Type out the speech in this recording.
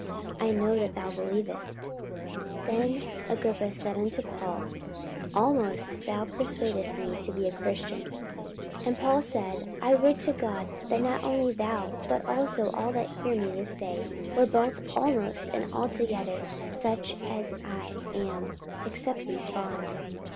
I know that thou believest. 44:026:028 Then Agrippa said unto Paul, Almost thou persuadest me to be a Christian. 44:026:029 And Paul said, I would to God, that not only thou, but also all that hear me this day, were both almost, and altogether such as I am, except these bonds.